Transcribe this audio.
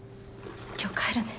今日帰るね。